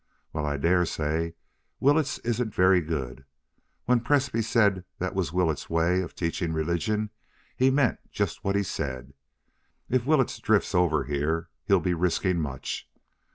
Well, I dare say Willetts isn't very good. When Presbrey said that was Willetts's way of teaching religion he meant just what he said. If Willetts drifts over here he'll be risking much....